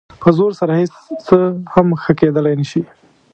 په زور سره هېڅ څه هم ښه کېدلی نه شي.